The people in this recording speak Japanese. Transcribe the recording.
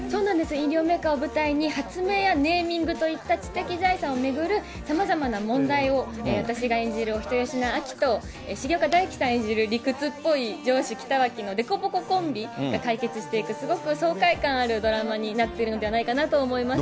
飲料メーカーを舞台に、発明やネーミングといった知的財産を巡るさまざまな問題を私が演じるお人好しな亜季と、重岡大毅さん演じる、理屈っぽい上司、北脇の凸凹コンビが解決していく、すごく爽快感あるドラマになってるのではないかなと思います。